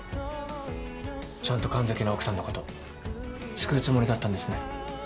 ちゃんと神崎の奥さんのこと救うつもりだったんですね。